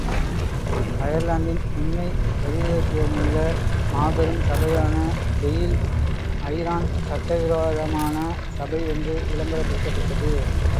அயர்லாந்தின் உண்மைப் பிரதிநிதித்துவமுள்ள மாபெரும் சபையான tail iron சட்டவிரோதமான சபை என்று விளம்பரப்படுத்தப்பட்டது!